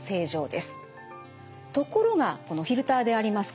ところがこのフィルターであります